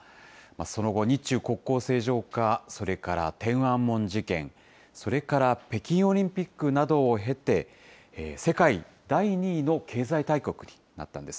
その後、日中国交正常化、それから天安門事件、それから北京オリンピックなどを経て、世界第２位の経済大国になったんです。